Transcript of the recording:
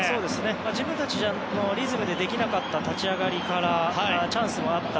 自分たちのリズムでできなかった立ち上がりからチャンスがあった。